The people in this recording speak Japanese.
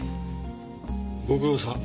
ご苦労さん。